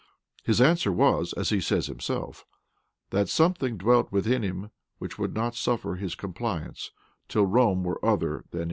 [] His answer was, as he says himself, "That something dwelt within him, which would not suffer his compliance, till Rome were other than it is."